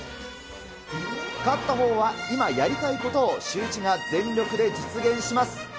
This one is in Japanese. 勝ったほうは今やりたいことをシューイチが全力で実現します。